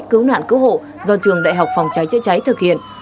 cứu nạn cứu hộ do trường đại học phòng cháy chữa cháy thực hiện